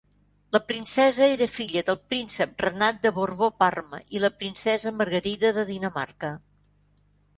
La princesa era filla del príncep Renat de Borbó-Parma i la princesa Margarida de Dinamarca.